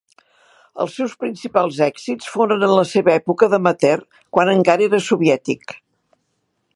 Els seus principals èxits foren en la seva època d'amateur quan encara era soviètic.